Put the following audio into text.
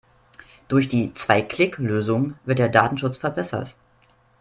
Durch die Zwei-Klick-Lösung wird der Datenschutz verbessert.